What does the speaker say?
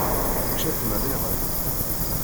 Ičča-tt meṛṛiɣet.